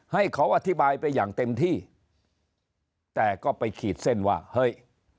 ให้เขาอธิบายไปอย่างเต็มที่แต่ก็ไปขีดเส้นว่าเฮ้ย